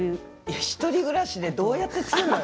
１人暮らしでどうやって作るのよ。